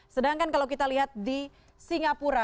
sedangkan kalau kita lihat di singapura